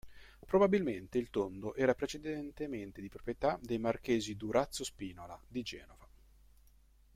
Probabilmente il tondo era precedentemente di proprietà dei marchesi Durazzo Spinola di Genova.